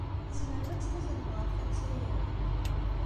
Tzemrem ad tt-taznem ɣer tansa-a?